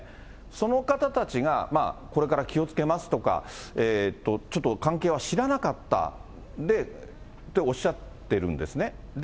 その方たちが、これから気をつけますとか、ちょっと関係は知らなかったっておっしゃってるんですね。